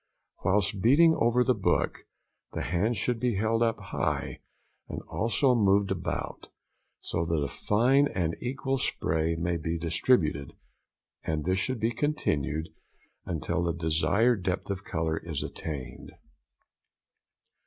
Whilst beating over the book, the hands should be held up high, and also moved about, so that a fine and equal spray may be distributed; and this should be continued until the desired depth of colour is attained.